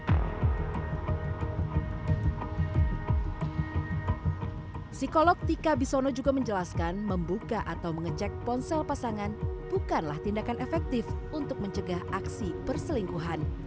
psikolog tika bisono juga menjelaskan membuka atau mengecek ponsel pasangan bukanlah tindakan efektif untuk mencegah aksi perselingkuhan